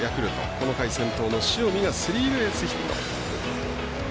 この回、先頭の塩見がスリーベースヒット。